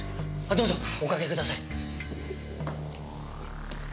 あどうぞおかけください。